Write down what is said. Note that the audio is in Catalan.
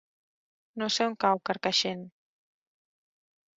No sé on cau Carcaixent.